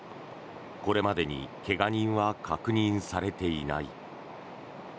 これまでに怪我人は確認されていない。